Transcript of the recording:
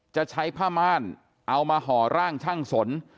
จะใช้ผ้าม่านเอามาห่อร่างช่างสน